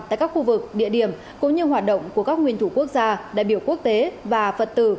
tại các khu vực địa điểm cũng như hoạt động của các nguyên thủ quốc gia đại biểu quốc tế và phật tử